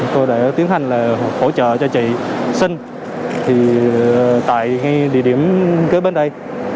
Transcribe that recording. tôi đã tiến hành là hỗ trợ cho chị xin tại địa điểm kế bên đây